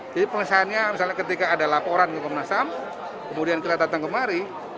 jadi pengesahannya misalnya ketika ada laporan ke komnas ham kemudian kelihatan kemarin